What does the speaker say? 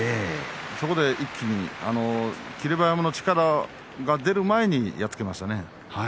そこで一気に霧馬山の力が出る前にやっつけましたね。